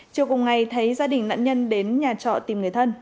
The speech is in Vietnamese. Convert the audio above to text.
chiều cùng ngày thấy gia đình nạn nhân đến nhà trọ tìm người thân